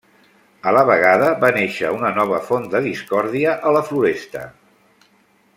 A la vegada va néixer una nova font de discòrdia a la Floresta.